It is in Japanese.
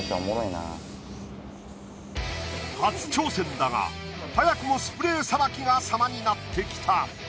初挑戦だが早くもスプレーさばきが様になってきた。